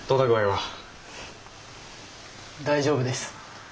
大丈夫です。